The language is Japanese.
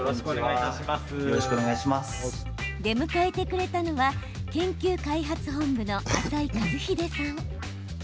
出迎えてくれたのは研究開発本部の浅井一秀さん。